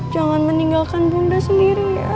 jangan meninggalkan bunda sendiri